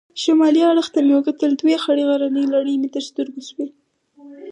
شمالي اړخ ته مې وکتل، دوې خړې غرنۍ لړۍ مې تر سترګو شوې.